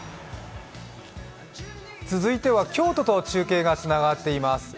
続いては京都と中継がつながっています。